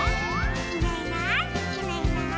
「いないいないいないいない」